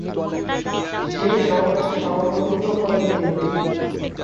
সেই সমাবেশে সভাপতিত্ব করেন তিনি।